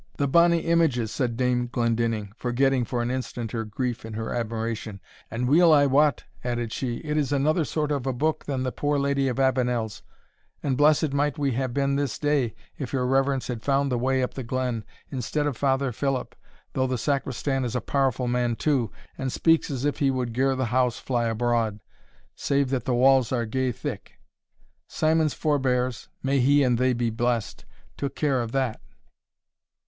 "The bonny images!" said Dame Glendinning, forgetting for an instant her grief in her admiration, "and weel I wot," added she, "it is another sort of a book than the poor Lady of Avenel's; and blessed might we have been this day, if your reverence had found the way up the glen, instead of Father Philip, though the Sacristan is a powerful man too, and speaks as if he would ger the house fly abroad, save that the walls are gey thick. Simon's forebears (may he and they be blessed!) took care of that."